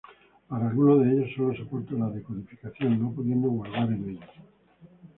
Para algunos de ellos sólo soporta la decodificación, no pudiendo guardar en ellos.